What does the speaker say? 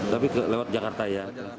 tapi lewat jakarta ya